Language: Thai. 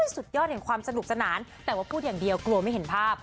สุดยอดแห่งความสนุกสนานแต่ว่าพูดอย่างเดียวกลัวไม่เห็นภาพ